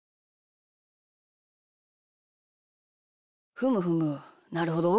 ふむふむなるほど。